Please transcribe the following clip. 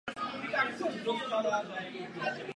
Před druhým kolem z turnaje odstoupila.